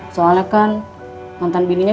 soalnya kan mantan bininya